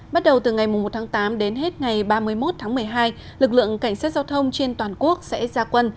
bắt đầu từ ngày một tháng tám đến hết ngày ba mươi một tháng một mươi hai lực lượng cảnh sát giao thông trên toàn quốc sẽ ra quân